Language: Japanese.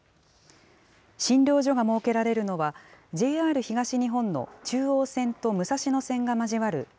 診療所が設けられるのは、ＪＲ東日本の中央線と武蔵野線が交わる